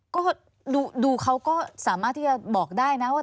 ก็ดูเขาก็สามารถที่จะบอกได้นะว่า